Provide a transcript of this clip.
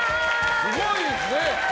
すごいですね。